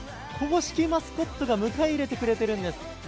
公式マスコットが迎え入れてくれているんです。